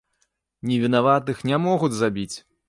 Невінаватых не могуць забіць!